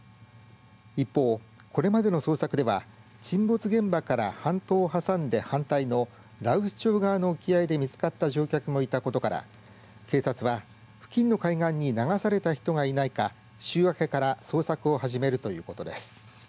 一方これまでの捜索では沈没現場から半島をはさんで反対の羅臼町側の沖合で見つかった乗客もいたことから警察は付近の海岸に流された人がいないか週明けから捜索を始めるということです。